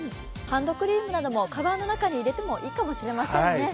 ハンドクリームなどもかばんの中に入れてもいいかもしれませんね。